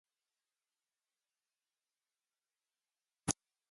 There are no readily available reports of her meeting with any success.